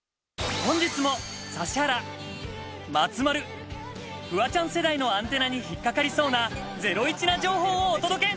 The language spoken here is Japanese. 本日も指原、松丸、フワちゃん世代のアンテナに引っ掛かりそうなゼロイチな情報をお届け！